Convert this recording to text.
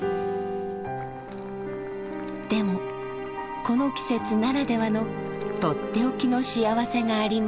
でもこの季節ならではのとっておきの「しあわせ」があります。